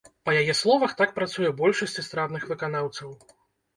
Па яе словах, так працуе большасць эстрадных выканаўцаў.